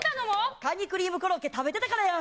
かにクリームコロッケ食べてたからやん。